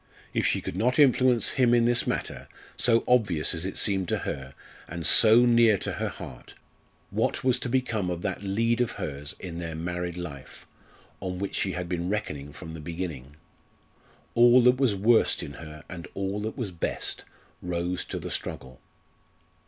If she could not influence him in this matter so obvious, as it seemed to her, and so near to her heart what was to become of that lead of hers in their married life, on which she had been reckoning from the beginning? All that was worst in her and all that was best rose to the struggle.